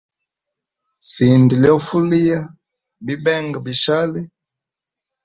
Sinda lyofuliya bibenga bishali.